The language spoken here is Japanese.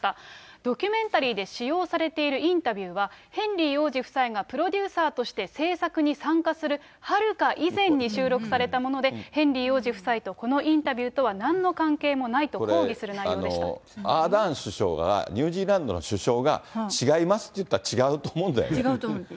ドキュメンタリーで使用されているインタビューはヘンリー王子夫妻がプロデューサーとして制作に参加するはるか以前に収録されたもので、ヘンリー王子夫妻とこのインタビューとはなんの関係もないと抗議これ、アーダーン首相が、ニュージーランドの首相が、違いますって言ったら違うと思うんだよ